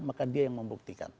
maka dia yang membuktikan